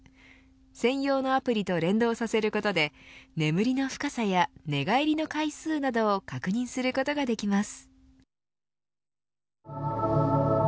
専用のアプリと連動させることで眠りの深さや寝返りの回数などを確認することができます。